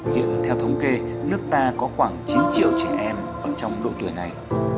hiện theo thống kê nước ta có khoảng chín triệu trẻ em ở trong độ tuổi này